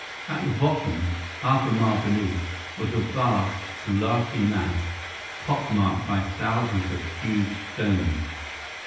At the bottom, half a mile beneath, was a vast, glassy mass, pock marked by thousands of huge stones.